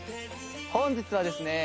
本日はですね